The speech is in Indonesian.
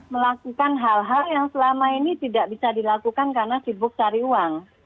melakukan hal hal yang selama ini tidak bisa dilakukan karena sibuk cari uang